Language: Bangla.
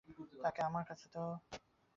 তাকে আমার কাছে দাও।